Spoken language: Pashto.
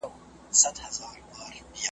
بس یو تروم یې وو په غاړه ځړولی .